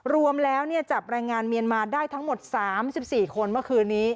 รวมแล้วจับแรงงานเมียนมาได้ทั้งหมด๓๔คนเมื่อคืนนี้